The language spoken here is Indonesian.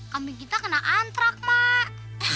kambing kita kena antrak pak